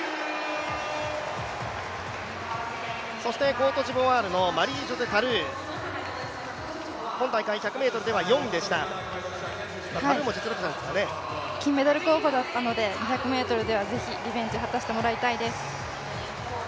コートジボワールのマリージョゼ・タルー本大会１００ｍでは４位でした金メダル候補でしたので、２００ｍではぜひ、リベンジを果たしてもらいたいです。